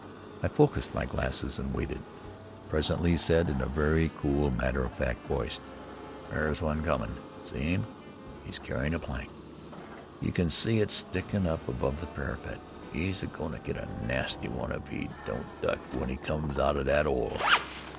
I focused my glasses and waited. Presently he said, in a very cool, matter of fact voice: "There's one comin'. See 'im? 'E's carryin' a plank. You can see it stickin' up above the parapet. 'E's a go'n' to get a nasty one if 'e don't duck w'en he comes to that 'ole."